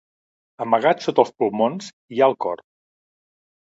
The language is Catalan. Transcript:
Amagat sota els pulmons, hi ha el cor.